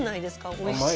おいしい。